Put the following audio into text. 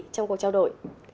trong cuộc trao đổi